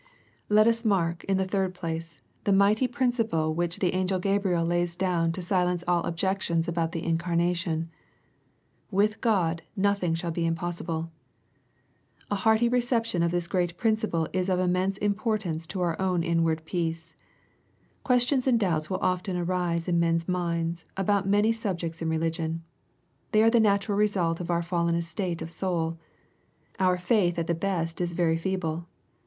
Let us mark, in the third place, the mighty principle which the angel Gabriel lays dotvn to silence all olgec^ tiona abotU the incarnation. ^^ With God nothing shall be impossible." A hearty reception of this great principle is of immense importance to our own inward peace. Questions and doubts will often arise in men's minds about many subjects in religion. They are the natural result of our fallen estate of souL Our &ith at the best is very feeble.